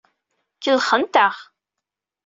Kellxent-aɣ.